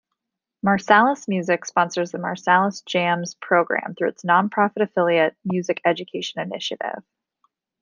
Marsalis Music sponsors the Marsalis Jams program through its non-profit affiliate, Music Education Initiative.